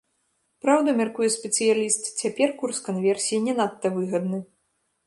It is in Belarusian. Праўда, мяркуе спецыяліст, цяпер курс канверсіі не надта выгадны.